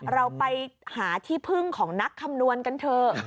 เราไปหาที่พึ่งของนักคำนวณกันเถอะ